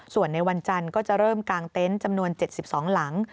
ส่วนในวันจันทร์ก็จะเริ่มกางเต็นต์จำนวน๗๒หลัง